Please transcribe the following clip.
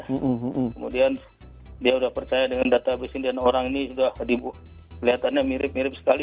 kemudian dia sudah percaya dengan database dan orang ini sudah kelihatannya mirip mirip sekali